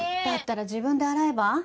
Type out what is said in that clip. だったら自分で洗えば？